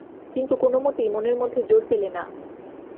কিন্তু কোনোমতেই মনের মধ্যে জোর পেলে না।